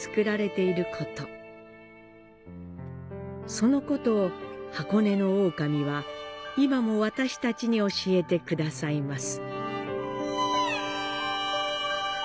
そのことを箱根大神は、今も私たちに教えてくださいます。